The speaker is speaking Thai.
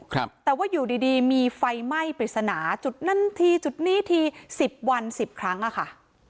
ครับแต่ว่าอยู่ดีดีมีไฟไหม้ปริศนาจุดนั้นทีจุดนี้ทีสิบวันสิบครั้งอ่ะค่ะ